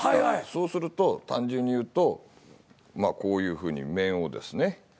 そうすると単純に言うとこういうふうに面をですね２人で。